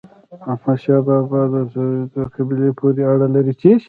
احمد شاه بابا د سدوزيو قبيلې پورې اړه لري.